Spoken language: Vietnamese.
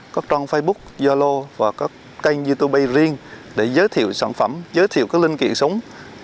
các trang facebook yalo và các kênh youtube riêng để giới thiệu sản phẩm giới thiệu các linh kiện sống